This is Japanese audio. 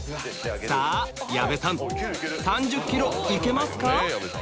さぁ矢部さん３０ｋｇいけますか？